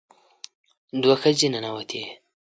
دوه ښځې ننوتې.